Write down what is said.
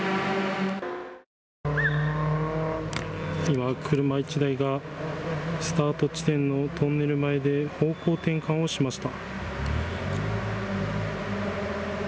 今、車１台がスタート地点のトンネル前で方向転換をしました。